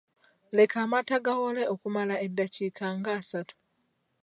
Leka amata gawole okumala eddakiika ng’asatu.